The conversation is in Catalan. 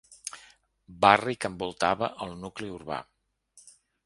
Barri que envoltava el nucli urbà.